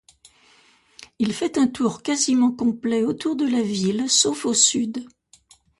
Il fait un tour quasiment complet autour de la ville sauf au sud.